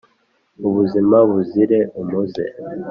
ubuzima buzire umuze".